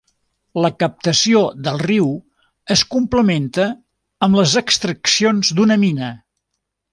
La captació del riu es complementa amb les extraccions d’una mina.